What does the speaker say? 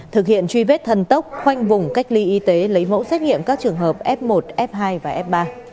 thực hiện truy vết thần tốc khoanh vùng cách ly y tế lấy mẫu xét nghiệm các trường hợp f một f hai và f ba